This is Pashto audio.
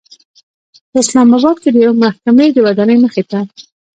په اسلام آباد کې د یوې محکمې د ودانۍمخې ته